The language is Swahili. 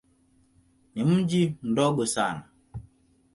Ni mji mdogo sana.